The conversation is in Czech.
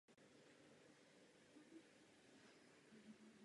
Miloslav Vondráček se účastnil několika zahraničních stáží.